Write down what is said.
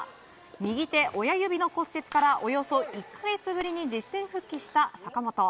右手親指の骨折からおよそ１か月ぶりに実戦復帰した坂本。